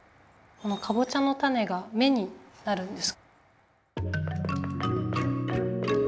このかぼちゃの種が目になるんです。